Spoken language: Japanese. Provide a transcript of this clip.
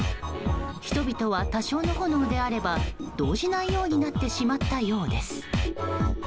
人々は、多少の炎であれば動じないようになってしまったようです。